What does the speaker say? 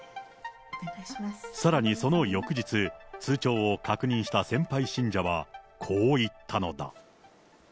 さらにその翌日、通帳を確認した先輩信者は、こう言ったのだ。